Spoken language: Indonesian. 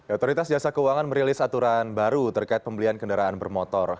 otoritas jasa keuangan merilis aturan baru terkait pembelian kendaraan bermotor